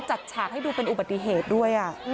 ฉากให้ดูเป็นอุบัติเหตุด้วย